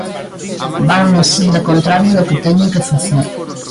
Van na senda contraria do que teñen que facer.